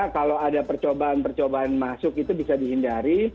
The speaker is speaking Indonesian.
kalau ada percobaan percobaan masuk itu bisa dihindari